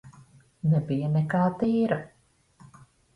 Nebija nekā tīra.